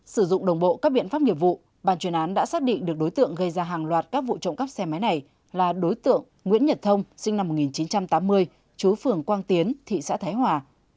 sử dụng đồng bộ các biện pháp nghiệp vụ bàn chuyên án đã xác định được đối tượng gây ra hàng loạt các vụ trộm cắp xe máy này là đối tượng nguyễn nhật thông sinh năm một nghìn chín trăm tám mươi chú phường quang tiến thị xã thái hòa